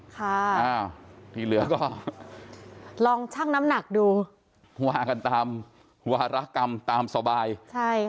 ค่ะอ้าวที่เหลือก็ลองชั่งน้ำหนักดูว่ากันตามวารกรรมตามสบายใช่ค่ะ